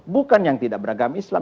bukan yang tidak beragam islam